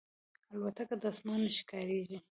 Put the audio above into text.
الوتکه د اسمان ښکاریږي.